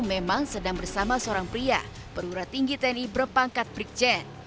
memang sedang bersama seorang pria perwira tinggi tni berpangkat brikjen